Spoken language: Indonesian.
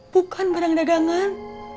bukan barang dagangan